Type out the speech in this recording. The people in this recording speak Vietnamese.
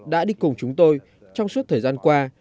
đã đi cùng chúng tôi trong suốt thời gian qua